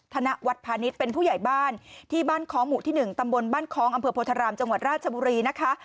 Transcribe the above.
ธนวัฒน์พาณิชย์เป็นผู้ใหญ่บ้านที่บ้านค้องหมู่ที่๑ตำบลบ้านคล้องอำเภอโพธารามจังหวัดราชบุรีนะคะ